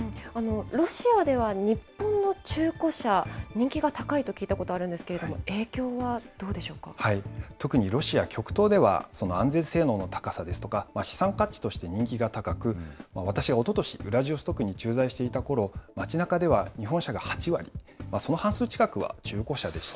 ロシアでは日本の中古車、人気が高いと聞いたことあるんです特にロシア極東ではその安全性能の高さですとか、資産価値として人気が高く、私がおととし、ウラジオストクに駐在していたころ、町なかでは日本車が８割、その半数近くは中古車でした。